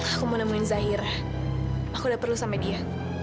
aku mau nemuin zahira aku udah perlu sama dia